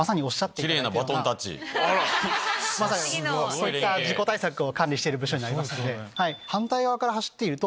まさにそういった事故対策を管理している部署になります。